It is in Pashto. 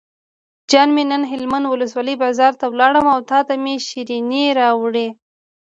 جان مې نن هلمند ولسوالۍ بازار ته لاړم او تاته مې شیرینۍ راوړې.